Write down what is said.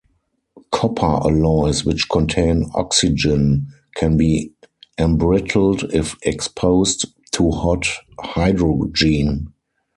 Copper alloys which contain oxygen can be embrittled if exposed to hot hydrogen.